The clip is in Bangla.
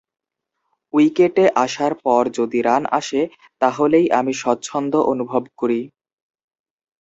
উইকেটে আসার পর যদি রান আসে, তাহলেই আমি স্বচ্ছন্দ অনুভব করি।